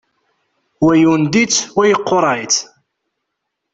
Wa yundi-tt wa yeqqureɛ-itt.